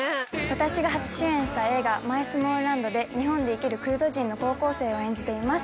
私が初主演した映画『マイスモールランド』で日本で生きるクルド人の高校生を演じています。